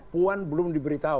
puan belum diberitahu